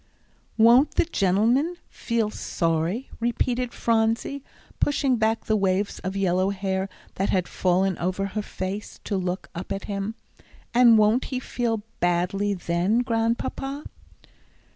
"Won't the gentleman feel sorry?" repeated Phronsie, pushing back the waves of yellow hair that had fallen over her face, to look up at him. "And won't he feel badly then, Grandpapa?"